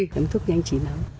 dấm thuốc nhanh chín lắm